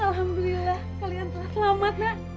alhamdulillah kalian telah selamat nak